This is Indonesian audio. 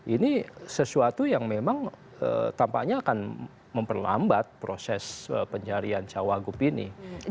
ini sesuatu yang memang tampaknya akan memperlambat proses pencarian cawagup ini